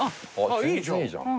いいじゃん。